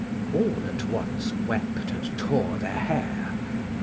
["All at once wept and tore their hair."